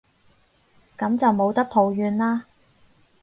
噉就冇得抱怨喇